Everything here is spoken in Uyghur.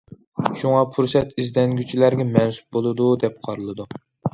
شۇڭا پۇرسەت ئىزدەنگۈچىلەرگە مەنسۇپ بولىدۇ، دەپ قارىلىدۇ.